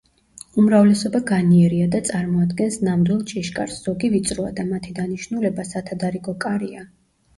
უმრავლესობა განიერია და წარმოადგენს ნამდვილ ჭიშკარს, ზოგი ვიწროა და მათი დანიშნულება სათადარიგო კარია.